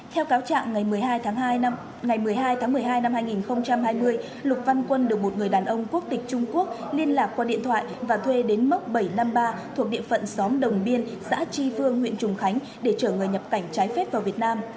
theo cáo trạng ngày một mươi hai tháng hai ngày một mươi hai tháng một mươi hai năm hai nghìn hai mươi lục văn quân được một người đàn ông quốc tịch trung quốc liên lạc qua điện thoại và thuê đến mốc bảy trăm năm mươi ba thuộc địa phận xóm đồng biên xã tri phương huyện trùng khánh để chở người nhập cảnh trái phép vào việt nam